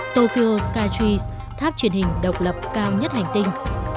tokyo skytrix tháp truyền hình độc lập cao nhất hành tinh